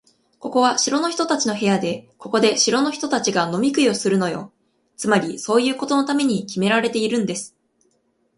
ここは城の人たちの部屋で、ここで城の人たちが飲み食いするのよ。つまり、そういうことのためにきめられているんです。